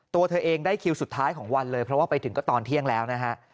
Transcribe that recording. ตัวเธอเองได้คิวสุดท้ายของวันเลยเพราะว่าไปถึงก็ตอนเที่ยงแล้วนะฮะ